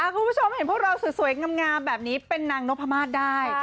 คุณผู้ชมเห็นพวกเราสวยงามแบบนี้เป็นนางนพมาศได้